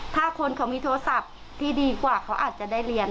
ถ้าคนเขามีโทรศัพท์ที่ดีกว่าเขาอาจจะได้เรียน